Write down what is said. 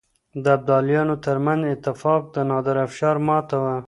د ابدالیانو ترمنځ اتفاق د نادرافشار ماته وه.